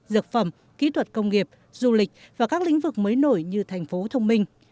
dược phẩm kỹ thuật công nghiệp du lịch và các lĩnh vực mới nổi như thành phố thông minh